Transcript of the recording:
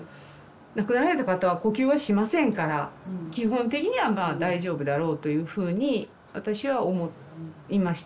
亡くなられた方は呼吸はしませんから基本的にはまあ大丈夫だろうというふうに私は思いました。